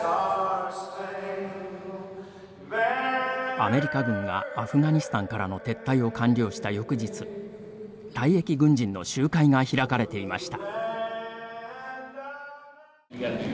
アメリカ軍がアフガニスタンからの撤退を完了した翌日退役軍人の集会が開かれていました。